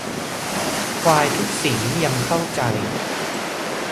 ควายทุกสียังเข้าใจ